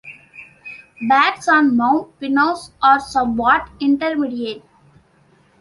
Birds on Mount Pinos are somewhat intermediate.